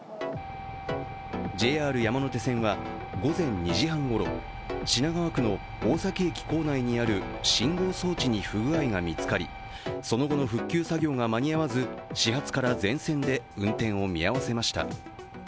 ＪＲ山手線は午前２時半ごろ、品川区の大崎駅構内にある信号装置に不具合が見つかり、その後の復旧作業が間に合わず、始発から全線で運転を見合わせました。